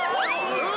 ・うわ！